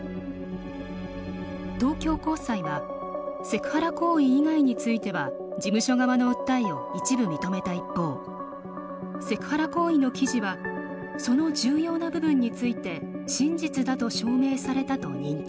東京高裁はセクハラ行為以外については事務所側の訴えを一部認めた一方セクハラ行為の記事はその重要な部分について真実だと証明されたと認定。